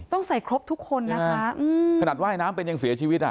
ต้องใส่ครบทุกคนนะคะอืมขนาดว่ายน้ำเป็นยังเสียชีวิตอ่ะ